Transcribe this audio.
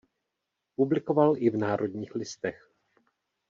Publikoval i v Národních listech.